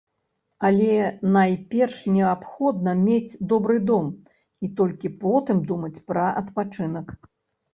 Але найперш неабходна мець добры дом, і толькі потым думаць пра адпачынак.